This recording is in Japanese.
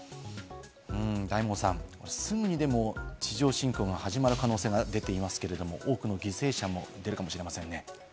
大門さん、すぐにでも地上侵攻が始まる可能性が出ていますけれど、多くの犠牲者が出るかもしれませんね。